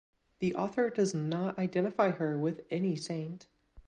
The author does not identify her with any saint.